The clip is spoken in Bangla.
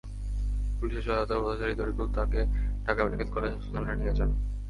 পুলিশের সহায়তায় পথচারী তরিকুল তাঁকে ঢাকা মেডিকেল কলেজ হাসপাতালে নিয়ে যান।